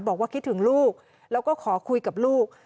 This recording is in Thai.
บอกว่าคิดถึงลูกแล้วก็ขอคุยกับลูก